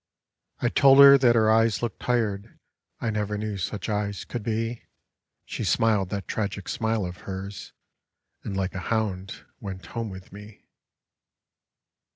I told her that her eyes looked tired; I never knew such eyes could be. ... She smiled that tragic smile of hers, And like a hound went home with me.